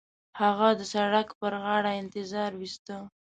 هغه د سړک پر غاړه انتظار وېسته.